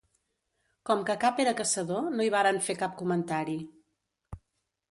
Com que cap era caçador, no hi varen fer cap comentari